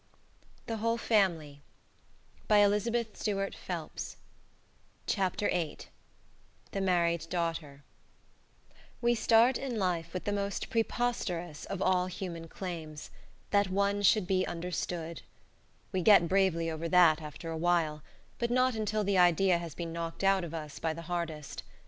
THE MARRIED DAUGHTER, By Elizabeth Stuart Phelps We start in life with the most preposterous of all human claims that one should be understood. We get bravely over that after awhile; but not until the idea has been knocked out of us by the hardest.